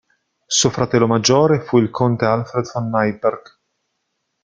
Suo fratello maggiore fu il conte Alfred von Neipperg.